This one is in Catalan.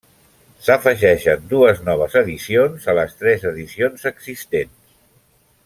S'afegeixen dues noves edicions a les tres edicions existents.